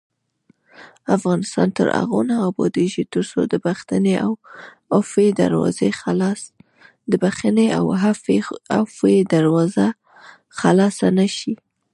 افغانستان تر هغو نه ابادیږي، ترڅو د بښنې او عفوې دروازه خلاصه نشي.